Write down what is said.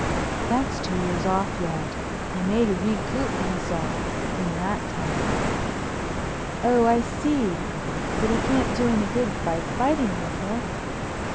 "That's two years off yet. He may recoup himself in that time." "Oh, I see. But he can't do any good by fighting with her."